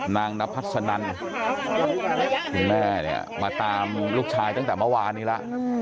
นางนพัสนันคุณแม่เนี่ยมาตามลูกชายตั้งแต่เมื่อวานนี้แล้ว